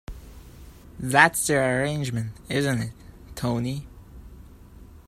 That's the arrangement, isn't it, Tony?